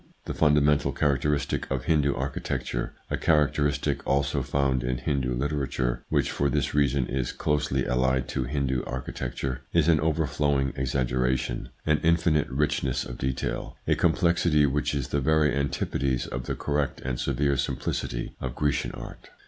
The fundamental characteristic of Hindu archi tecture a characteristic also found in Hindu litera ture, which for this reason is closely allied to Hindu architecture is an overflowing exaggeration, an ITS INFLUENCE ON THEIR EVOLUTION 117 infinite richness of detail, a complexity which is the very antipodes of the correct and severe simplicity of Grecian art.